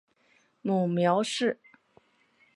母苗氏。